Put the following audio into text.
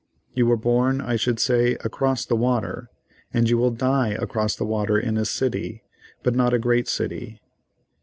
You were born, I should say, across the water, and you will die across the water in a city, but not a great city.